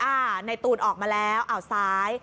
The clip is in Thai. ในตูนออกมาแล้วอ่าวซ้าย